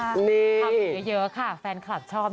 ทำอยู่เยอะค่ะแฟนคลับชอบ